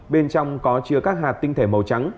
bên trong có chứa các hạt tinh thể màu trắng